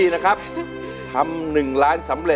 ๑ล้านหลังจ้า